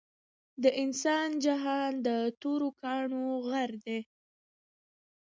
د انسان جهان د تورو کانړو غر دے